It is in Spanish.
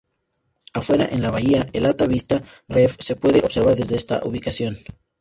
Afuera en la bahía, el Alta Vista Reef se puede observar desde esta ubicación.